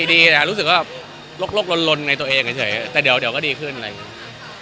ดีแต่รู้สึกว่าลกลนในตัวเองเฉยแต่เดี๋ยวก็ดีขึ้นอะไรอย่างนี้